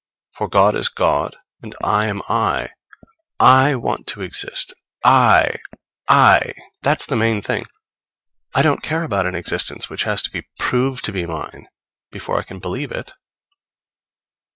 For God is God and I am I. I want to exist, I, I. That's the main thing. I don't care about an existence which has to be proved to be mine, before I can believe it.